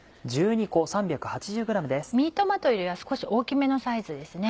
ミニトマトよりは少し大きめのサイズです。